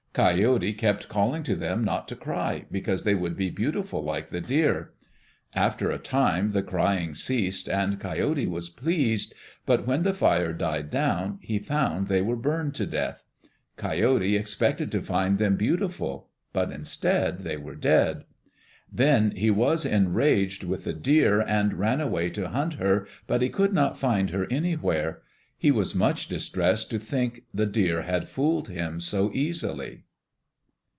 Coyote kept calling to them not to cry because they would be beautiful like the deer. After a time the crying ceased and Coyote was pleased. But when the fire died down, he found they were burned to death. Coyote expected to find them beautiful, but instead they were dead. Then he was enraged with the deer and ran away to hunt her, but he could not find her anywhere. He was much distressed to think the deer had fooled him so easily.